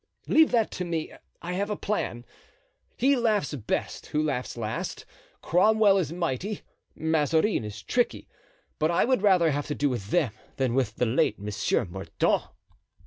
"Leave that to me—I have my plan. He laughs best who laughs last. Cromwell is mighty, Mazarin is tricky, but I would rather have to do with them than with the late Monsieur Mordaunt."